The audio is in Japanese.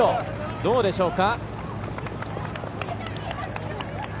どうでしょうか。